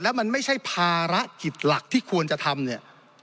แล้วมันไม่ใช่ภารกิจหลักที่ควรจะทำเนี่ย